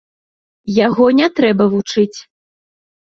Яго не трэба вучыць.